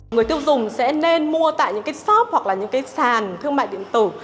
người tiêu dùng sẽ nên mua tại những cái shop hoặc là những cái sàn thương mại điện tử